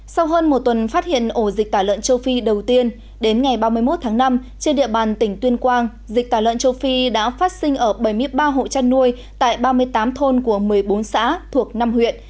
sau hơn một tuần phát hiện ổ dịch tả lợn châu phi đầu tiên đến ngày ba mươi một tháng năm trên địa bàn tỉnh tuyên quang dịch tả lợn châu phi đã phát sinh ở bảy mươi ba hộ chăn nuôi tại ba mươi tám thôn của một mươi bốn xã thuộc năm huyện